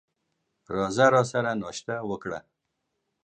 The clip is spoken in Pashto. راځه راسره ناشته وکړه !